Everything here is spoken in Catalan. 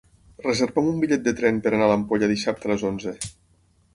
Reserva'm un bitllet de tren per anar a l'Ampolla dissabte a les onze.